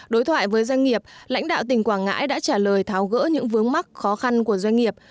đối thoại với doanh nghiệp lãnh đạo tỉnh quảng ngãi đã trả lời tháo gỡ những vướng mắc khó khăn của doanh nghiệp